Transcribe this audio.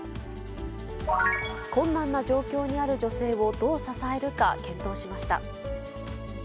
困難な状況にある女性をどう支えるか検討しました。